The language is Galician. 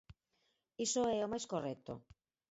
Iso é o máis correcto.